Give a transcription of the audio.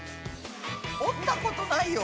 折ったことないよ。